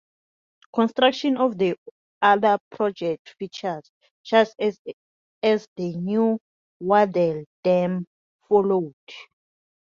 Construction of the other project features, such as the New Waddell Dam, followed.